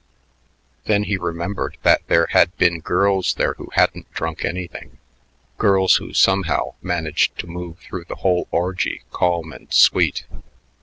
Then he remembered that there had been girls there who hadn't drunk anything, girls who somehow managed to move through the whole orgy calm and sweet.